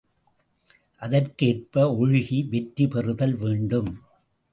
அதற்கேற்ப ஒழுகி வெற்றி பெறுதல் வேண்டும்.